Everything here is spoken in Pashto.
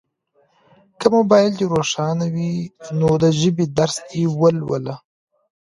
که موبایل دي روښانه وي نو د ژبې درس دي ولوله.